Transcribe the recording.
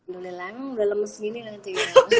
lelang udah lemes gini nanti